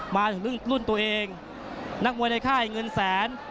มาถึงรุ่นตัวเองนักมวยในค่ายเงินแสน